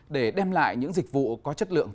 để đem lại những dịch vụ có chất lượng